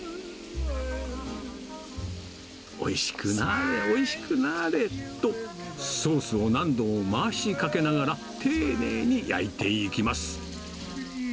おいしくなぁれ、おいしくなぁれと、ソースを何度も回しかけながら、ていねいに焼いていきます。